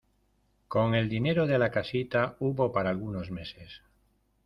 Con el dinero de la casita hubo para algunos meses.